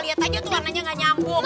lihat aja tuh warnanya gak nyambung